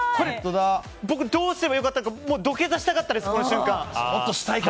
僕、どうすればよかったか。土下座したかったです、この瞬間。